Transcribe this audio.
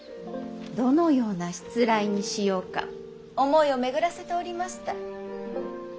どのようなしつらえにしようか思いを巡らせておりました。